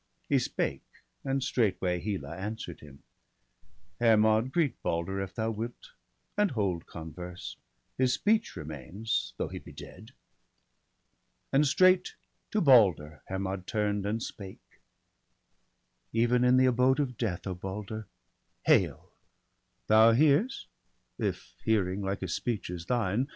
''' He spake ; and straightway Hela answered him :—' Hermod, greet Balder if thou wilt, and hold Converse ; his speech remains, though he be dead.' And straight to Balder Hermod turn'd, and spake :—' Even in the abode of death, O Balder, hail ! Thou hear'st, if hearing, like as speech, is thine.